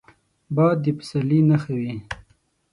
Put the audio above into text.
باد د پسرلي نښه وي